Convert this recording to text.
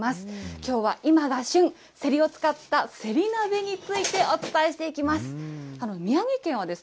きょうは今が旬、せりを使ったせり鍋について、お伝えしていきます。